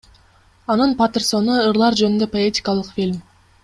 Анын Патерсону — ырлар жөнүндө поэтикалык фильм.